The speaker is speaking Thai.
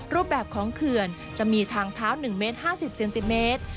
รูปแบบของเขื่อนจะมีทางเท้า๑เมตร๕๐เซนติเมตร